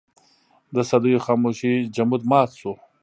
د صدېو خاموشۍ جمود مات شو.